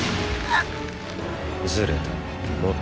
あっ！